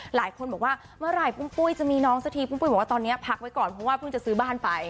หลายคนบอกว่าเมื่อไหร่ปุ้มปุ้ยจะมีน้องสักทีปุ้มปุ้ยบอกว่าตอนนี้พักไว้ก่อนเพราะว่าเพิ่งจะซื้อบ้านไป